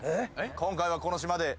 今回はこの島で。